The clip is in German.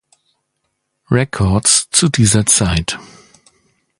Records zu dieser Zeit.